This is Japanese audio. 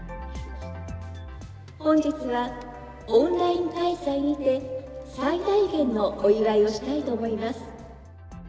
本日はオンライン開催にて、最大限のお祝いをしたいと思いま